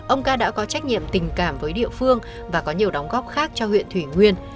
ông ca đã có trách nhiệm tình cảm với địa phương và có nhiều đóng góp khác cho huyện thủy nguyên